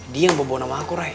dia yang bawa bawa nama aku rey